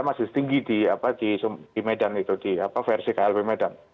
masih tinggi di medan itu di versi klb medan